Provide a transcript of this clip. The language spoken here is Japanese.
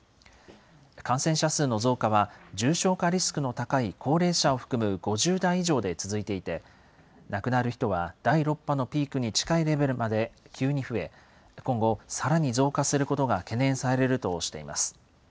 感染者数の増加は、重症化リスクの高い高齢者を含む５０代以上で続いていて、亡くなる人は第６波のピークに近いレベルまで急に増え、今後、さらに増加することが懸念されるとしています。